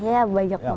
ya banyak banget ya